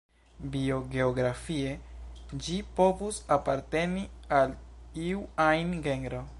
Biogeografie, ĝi povus aparteni al iu ajn genro.